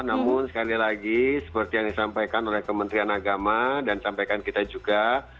namun sekali lagi seperti yang disampaikan oleh kementerian agama dan sampaikan kita juga